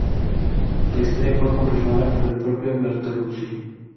La historia fue confirmada por el propio Bertolucci.